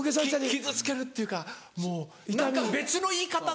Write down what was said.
傷つけるっていうかもう何か別の言い方っていうか。